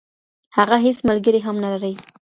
هغه هیڅ ملګری هم نلري.